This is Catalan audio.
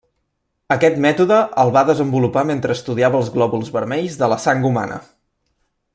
Aquest mètode el va desenvolupar mentre estudiava els glòbuls vermells de la sang humana.